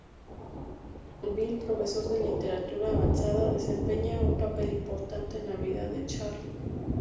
Bill, profesor de Literatura Avanzada, desempeña un papel importante en la vida de Charlie.